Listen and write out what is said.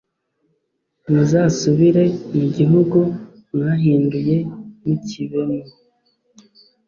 muzasubire mu gihugu mwahinduye mukibemo